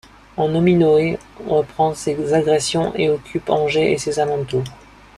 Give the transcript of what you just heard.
En Nominoë reprend ses agressions et occupe Angers et ses alentours.